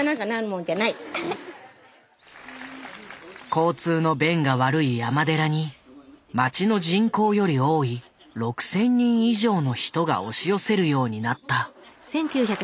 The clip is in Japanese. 交通の便が悪い山寺に町の人口より多い６，０００人以上の人が押し寄せるようになった。